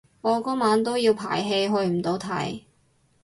我嗰晚都要排戲去唔到睇